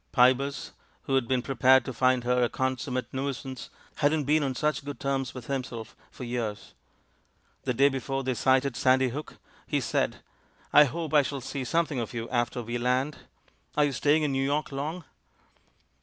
Pybus, who had been prepared to find her a consummate nuisance, hadn't been on such good terms with himself for years. The day before they sighted Sandy Hook he said, "I hope I shall see something of you after 272 THE MAN WHO UNDERSTOOD WOMEN we land? Are you staying in New York long?"